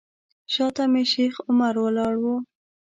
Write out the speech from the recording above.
شاته مې شیخ عمر ولاړ و.